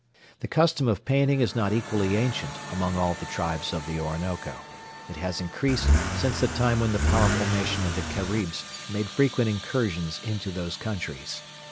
The custom of painting is not equally ancient among all the tribes of the Orinoco. It has increased since the time when the powerful nation of the Caribs made frequent incursions into those countries.